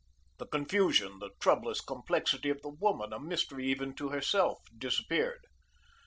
The confusion, the troublous complexity of the woman, a mystery even to herself, disappeared.